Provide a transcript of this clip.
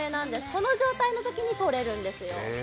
この状態のときにとれるんです。